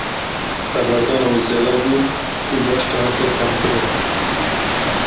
Xeberdana wî zelal bû û baş dihate famkirin.